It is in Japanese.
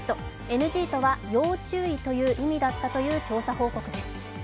ＮＧとは要注意という意味だったという調査報告です。